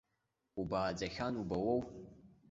Убааӡахьан убауоу!